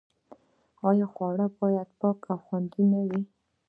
آیا خواړه باید پاک او خوندي نه وي؟